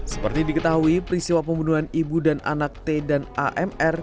seperti diketahui peristiwa pembunuhan ibu dan anak t dan amr